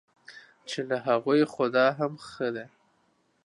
چې له هغوی خو دا هم ښه دی.